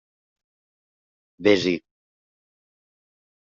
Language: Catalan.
Vés-hi.